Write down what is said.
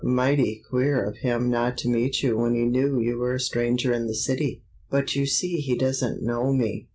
Mighty queer of him not to meet you when he knew you were a stranger in the city." "But you see he doesn't know me!"